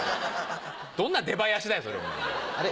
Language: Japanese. どんな出囃子だよそれ。